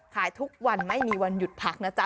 ขายทุกวันไม่มีวันหยุดพักนะจ๊